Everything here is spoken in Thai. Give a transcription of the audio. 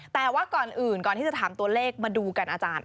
แต่ว่าก่อนอื่นก่อนที่จะถามตัวเลขมาดูกันอาจารย์